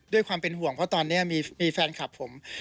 ด้วยความเป็นห่วงเพราะตอนนี้มีแฟนคลับผม